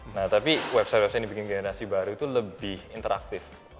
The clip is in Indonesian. nah tapi website website yang dibikin generasi baru itu lebih interaktif